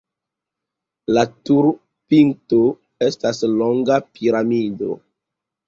La turopinto estas longa piramido.